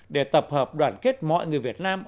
để tập hợp đoàn kết mọi người việt nam